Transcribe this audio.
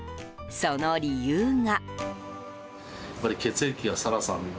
その理由が。